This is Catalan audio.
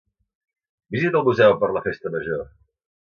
Visita el museu per la Festa Major!